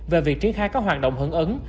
về việc triển khai có hoạt động hưởng ứng